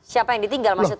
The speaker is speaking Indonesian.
siapa yang ditinggal maksudnya